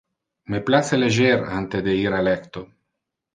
Me place leger ante de ir a lecto.